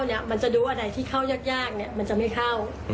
แล้วติดแค่๕ตัวแล้วก็เป็น๙ตัว